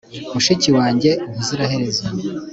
mushiki wanjye ubuziraherezo